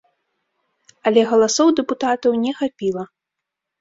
Але галасоў дэпутатаў не хапіла.